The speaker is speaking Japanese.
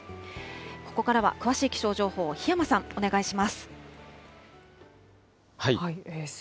ここからは、詳しい気象情報、檜山さん、お願いします。